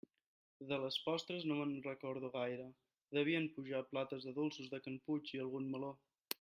De les postres no me'n recordo gaire; devien pujar plates de dolços de can Puig i algun meló.